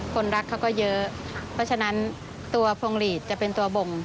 คนรักเขาก็เยอะเพราะฉะนั้นตัวพวงหลีดจะเป็นตัวบ่ง